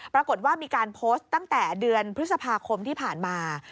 ปรากฏว่ามีการโพสต์ตั้งแต่เดือนพฤษภาคมที่ผ่านมา